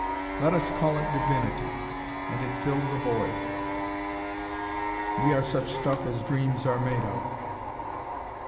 Let us call It Divinity. And It filled the void. "We are such stuff as dreams are made of...."